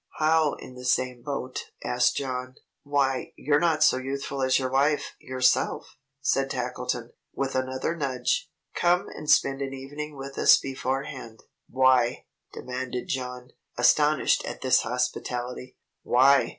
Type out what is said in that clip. "How in the same boat?" asked John. "Why, you're not so youthful as your wife, yourself," said Tackleton, with another nudge. "Come and spend an evening with us beforehand." "Why?" demanded John, astonished at this hospitality. "Why?"